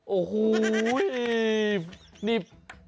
โอ้โหนี่